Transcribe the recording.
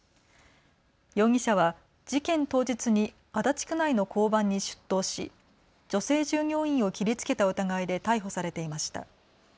容疑者は事件当日に足立区内の交番に出頭し女性従業員を切りつけた疑いで逮捕されていました。